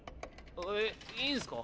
えいいんすか？